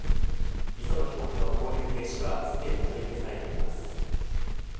磯野被告の勾留停止はすでに取り消されています。